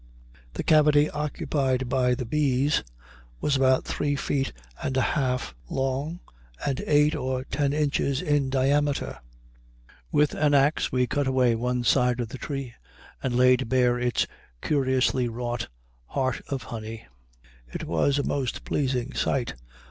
The cavity occupied by the bees was about three feet and a half long and eight or ten inches in diameter. With an ax we cut away one side of the tree, and laid bare its curiously wrought heart of honey. It was a most pleasing sight.